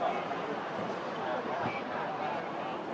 สวัสดีครับ